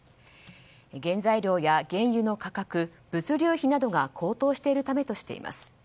原材料や原油の価格物流費などが高騰しているためとしています。